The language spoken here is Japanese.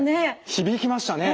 響きましたね。